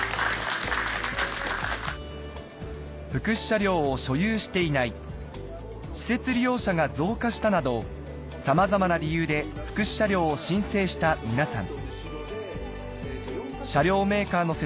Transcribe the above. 「福祉車両を所有していない」「施設利用者が増加した」などさまざまな理由で福祉車両を申請した皆さん